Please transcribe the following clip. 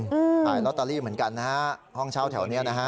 ขายลอตเตอรี่เหมือนกันนะฮะห้องเช่าแถวนี้นะฮะ